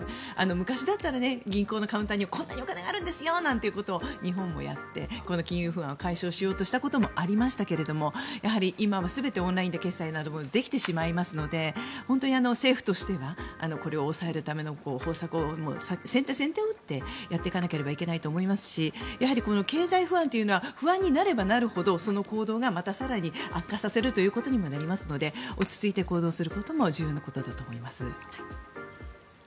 昔だったら銀行のカウンターにこんなにお金があるんですよということを日本がやって金融不安を解消しようとしたこともありましたがやはり今は全てオンラインで決済などもできてしまうので本当に政府としてはこれを抑えるための方策を先手先手を打ってやっていかなければいけないと思いますしやはり経済不安というのは不安になればなるほどその行動がまた更に悪化させるということにもなりますので落ち着いて行動することも重要なことだと思います。